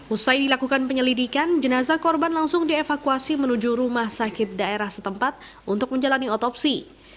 usai dilakukan penyelidikan jenazah korban langsung dievakuasi menuju rumah sakit daerah setempat untuk menjalani otopsi